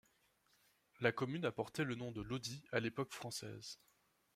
La commune a porté le nom de Lodi à l’époque française.